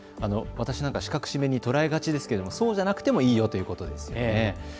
私も四角四面に捉えがちですけれどもそうじゃなくてもいいよということですね。